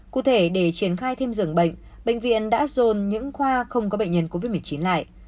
cụ thể để triển khai thêm dường bệnh bệnh viện đã dồn những khoa không có bệnh nhân covid một mươi chín lại